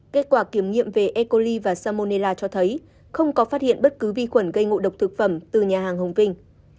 kết quả kiểm nghiệm về ecoli và salmonella cho thấy không có phát hiện bất cứ vi khuẩn gây ngộ độc thực phẩm từ nhà hàng hồng vinh